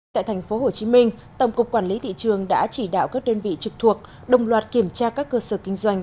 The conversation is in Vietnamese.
tại tp hcm tổng cục quản lý thị trường đã chỉ đạo các đơn vị trực thuộc đồng loạt kiểm tra các cơ sở kinh doanh